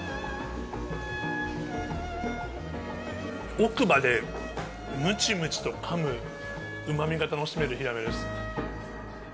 奥歯でむちむちとかむ、うまみが楽しめるヒラメです。